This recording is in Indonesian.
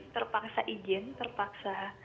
terpaksa izin terpaksa